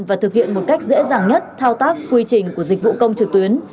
và thực hiện một cách dễ dàng nhất thao tác quy trình của dịch vụ công trực tuyến